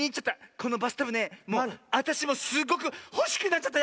このバスタブねあたしもすっごくほしくなっちゃった